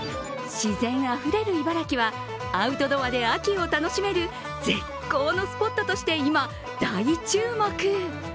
自然あふれる茨城はアウトドアで秋を楽しめる絶好のスポットとして今、大注目。